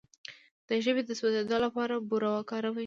د ژبې د سوځیدو لپاره بوره وکاروئ